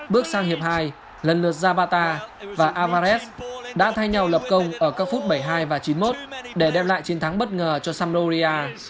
bước sang hiệp hai lần lượt javata và avarez đã thay nhau lập công ở các phút bảy mươi hai và chín mươi một để đem lại chiến thắng bất ngờ cho samloria